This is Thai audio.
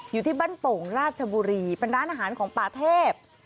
อยู่ที่บ้านโป่งราชบุรีเป็นร้านอาหารของป่าเทพ